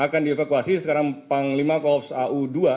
akan dievakuasi sekarang panglima korps au dua